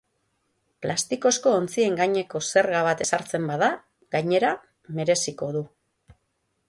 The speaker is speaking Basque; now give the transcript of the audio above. Plastikozko ontzien gaineko zerga bat ezartzen bada, gainera, mereziko du.